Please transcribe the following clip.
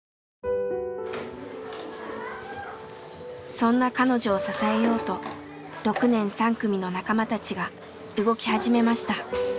そんな彼女を支えようと６年３組の仲間たちが動き始めました。